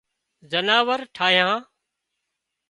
زناور ٺاهيان